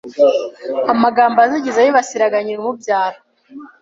amagambo azigize yibasiraga nyina umubyara